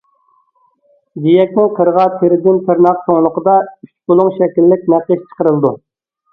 جىيەكنىڭ قىرىغا تېرىدىن تىرناق چوڭلۇقىدا ئۈچ بۇلۇڭ شەكىللىك نەقىش چىقىرىلىدۇ.